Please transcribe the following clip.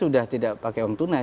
sudah tidak pakai uang tunai